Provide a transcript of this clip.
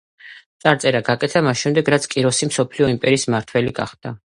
წარწერა გაკეთდა მას შემდეგ, რაც კიროსი მსოფლიო იმპერიის მმართველი გახდა.